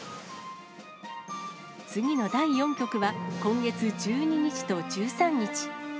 次の第４局は、今月１２日と１３日。